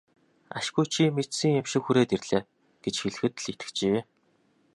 Ашгүй чи мэдсэн юм шиг хүрээд ирлээ гэж хэлэхэд л итгэжээ.